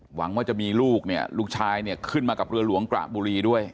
หวังว่าจะมีลูกเนี่ยลูกชายเนี่ยขึ้นมากับเรือหลวงกระบุรีด้วย